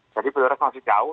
jadi beliau masih jauh